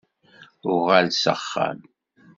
Uɣal s axxam.